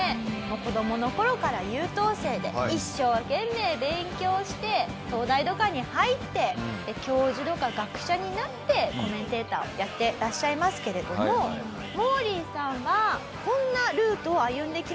子供の頃から優等生で一生懸命勉強して東大とかに入って教授とか学者になってコメンテーターをやってらっしゃいますけれどもモーリーさんはこんなルートを歩んできました。